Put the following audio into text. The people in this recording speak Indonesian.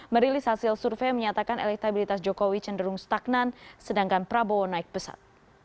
merilis hasil survei menyatakan elektabilitas jokowi cenderung stagnan sedangkan prabowo naik pesat